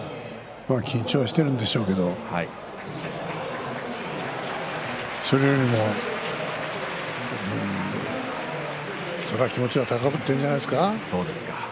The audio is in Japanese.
まあ緊張しているんでしょうけどそれよりも気持ちは高ぶっているんじゃないですか。